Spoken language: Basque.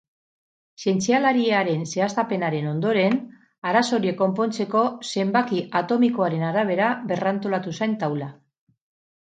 Zientzialariaren zehaztapenaren ondoren, arazo horiek konpontzeko, zenbaki atomikoaren arabera berrantolatu zen taula.